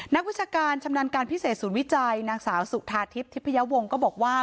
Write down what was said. นักวิชาการชำนาญการพิเศษศูนย์วิจัยนางสาวสุธาทิพยาวงศก็บอกว่า